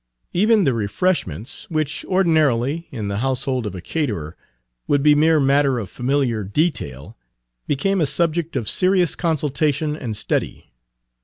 Even the refreshments, which ordinarily, in the household of a caterer, would be mere matter of familiar detail, became a subject of serious consultation and study.